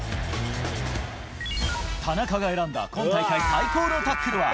田中が選んだ今大会最高のタックルは？